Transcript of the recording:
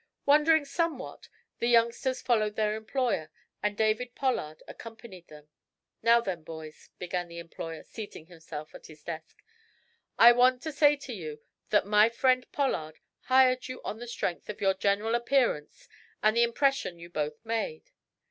Wondering somewhat, the youngsters followed their employer, and David Pollard accompanied them. "Now, then, boys," began their employer, seating himself at his desk, "I want to say to you that my friend Pollard hired you on the strength of your general appearance and the impression you both made.